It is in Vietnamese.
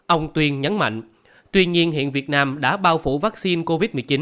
ông tuyền nhắn mạnh tuy nhiên hiện việt nam đã bao phủ vaccine covid một mươi chín